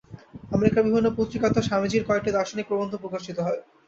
আমেরিকার বিভিন্ন পত্রিকাতেও স্বামীজীর কয়েকটি দার্শনিক প্রবন্ধ প্রকাশিত হয়।